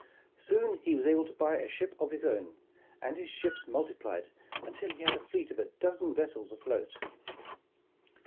Soon he was able to buy a ship of his own, 120 Extending the Fur Trade and his ships multiplied until he had a fleet of a dozen vessels afloat.